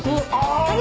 あれ？